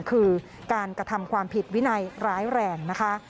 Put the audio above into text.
คือการกระทำความผิดวินัยร้ายแรงนะคะ